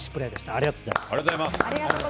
ありがとうございます。